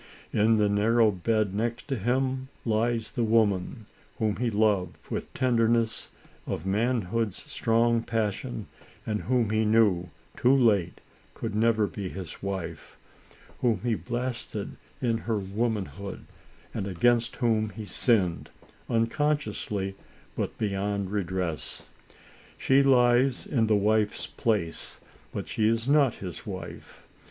In the narrow bed next him lies the woman whom he loved with the tenderness of manhood's strong passion, and whom he knew, too late, could never be his wife; whom he blasted in her woman hood, and against whom he sinned, unconsciously but beyond redress. She lies in the wife's place, but she is not his wife.